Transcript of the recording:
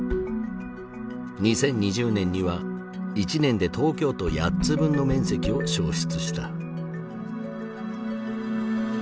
２０２０年には１年で東京都８つ分の面積を焼失した。